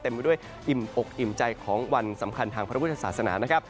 เต็มไปด้วยอิ่มอกอิ่มใจของวันสำคัญทางพระพุทธศาสนา